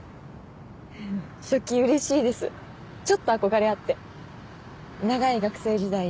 ふふっ書記うれしいですちょっと憧れあって長い学生時代